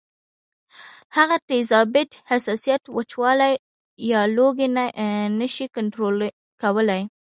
هغه تیزابیت ، حساسیت ، وچوالی یا لوګی نشي کنټرول کولی